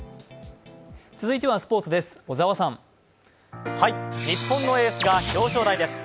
続いてはスポーツです。